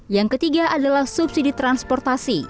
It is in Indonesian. yang ketiga adalah subsidi transportasi